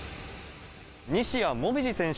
西矢椛選手、